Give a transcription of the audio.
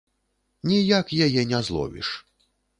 Ніяк яе не зловіш.